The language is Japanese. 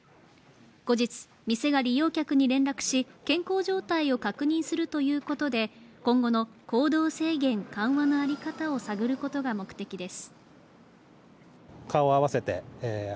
後日、店が利用客に連絡し、健康状態を確認するということで、今後の行動制限緩和の在り方を探ることが目的です。